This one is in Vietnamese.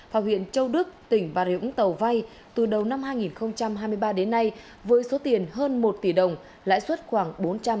hoặc huyện châu đức tỉnh bà rịu úng tàu vai từ đầu năm hai nghìn hai mươi ba đến nay với số tiền hơn một tỷ đồng lãi suất khoảng bốn trăm ba mươi tám một năm